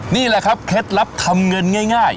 นี่แหละครับเคล็ดลับทำเงินง่าย